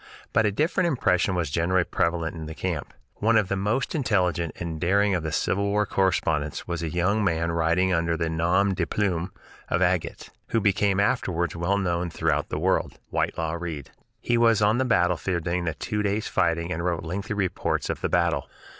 But a different impression was generally prevalent in the camp. One of the most intelligent and daring of the Civil War correspondents was a young man writing under the nom de plume of "Agate," who became afterwards well known throughout the world, Whitelaw Reid. He was on the battlefield during the two days' fighting and wrote lengthy reports of the battle.